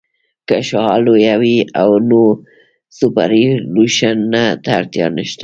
که شعاع لویه وي نو سوپرایلیویشن ته اړتیا نشته